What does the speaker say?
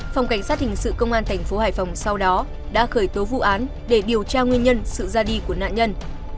phòng cảnh sát hình sự công an thành phố hải phòng sau đó đã khởi tố vụ án để điều tra nguyên nhân sự ra đi của nạn nhân